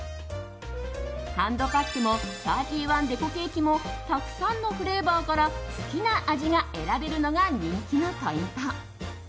ハンドパックも３１デコケーキもたくさんのフレーバーから好きな味が選べるのが人気のポイント。